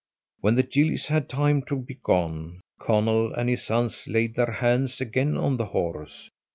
When the gillies had time to be gone, Conall and his sons laid their hands again on the horse.